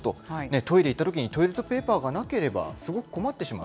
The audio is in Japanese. トイレ行ったときに、トイレットペーパーがなければすごく困ってしまう。